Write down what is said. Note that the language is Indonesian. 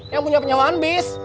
yang punya penyewaan bis